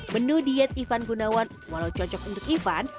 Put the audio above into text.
menu diet ivan gunawan walau cocok untuk ivan